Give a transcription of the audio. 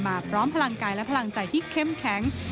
พร้อมพลังกายและพลังใจที่เข้มแข็ง